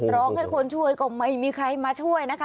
ร้องให้คนช่วยก็ไม่มีใครมาช่วยนะคะ